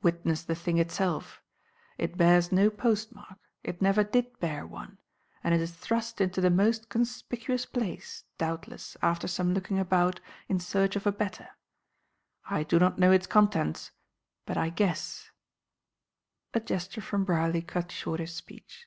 "Witness the thing itself. It bears no post mark, it never did bear one, and it is thrust into the most conspicuous place, doubtless, after some looking about, in search of a better. I do not know its contents but I guess." A gesture from Brierly cut short his speech.